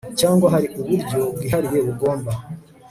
cyangwa hari uburyo bwihariye bugomba